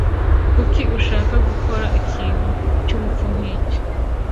Kuki ashaka gukora ikintu cyubupfu nkicyo?